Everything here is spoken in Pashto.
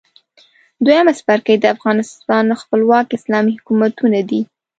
دویم څپرکی د افغانستان خپلواک اسلامي حکومتونه دي.